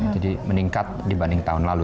jadi meningkat dibanding tahun lalu